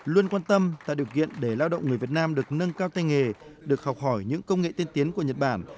luôn quan tâm tạo điều kiện để lao động người việt nam được nâng cao tay nghề được học hỏi những công nghệ tiên tiến của nhật bản